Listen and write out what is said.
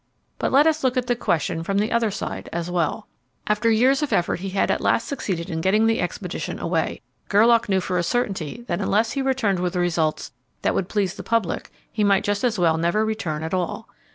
But let us look at the question from the other side as well. After years of effort he had at last succeeded in getting the expedition away. Gerlache knew for a certainty that unless he returned with results that would please the public, he might just as well never return at all.